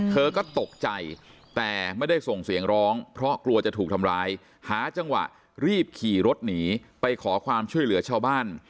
เธอก็ตกใจแต่ไม่ได้ส่งเสียงร้องเพราะกลัวจะถูกทำร้ายหาจังหวะรีบขี่รถหนีไปขอความช่วยเหลือชาวบ้าน